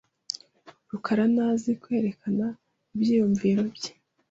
rukara ntazi kwerekana ibyiyumvo bye .